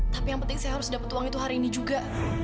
tapi yang penting saya harus dapat uang itu hari ini juga